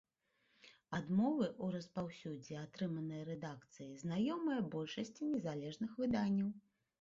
Адмовы ў распаўсюдзе, атрыманыя рэдакцыяй, знаёмыя большасці незалежных выданняў.